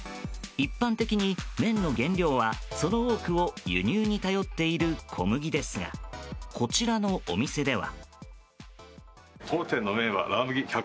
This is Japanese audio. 一般的に、麺の原料はその多くを輸入に頼っている小麦ですがこちらのお店では。